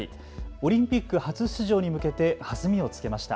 オリンピック初出場に向けて弾みをつけました。